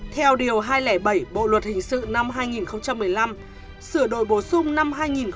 theo điều hai trăm linh bảy bộ luật hình sự năm hai nghìn một mươi năm sửa đổi bổ sung năm hai nghìn một mươi bảy